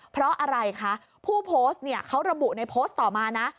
เพราะอะไรคะผู้โพสต์เนี่ยเขาระบุในโพสต์ต่อมานะ